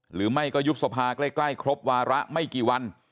หรือไม่ก็ยุบสภาใกล้ครบวาระไม่กี่วัน